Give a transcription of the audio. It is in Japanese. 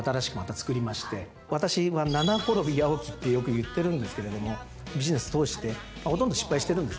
私は「七転び八起き」ってよく言ってるんですけれどもビジネス通してほとんど失敗してるんですね。